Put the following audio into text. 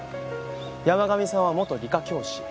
山上さんは元理科教師。